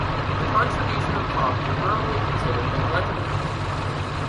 The contribution of prompt is normally considered negligible.